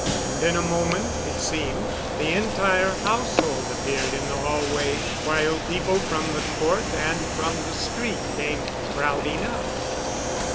And in a moment, it seemed, the entire household appeared in the hallway, while people from the court and from the street came crowding up.